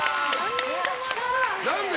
何で？